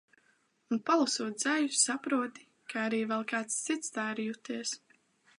Un, palasot dzeju, saproti, ka arī vēl kāds cits tā ir juties.